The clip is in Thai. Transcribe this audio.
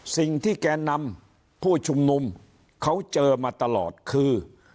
แกนนำผู้ชุมนุมเขาเจอมาตลอดคือ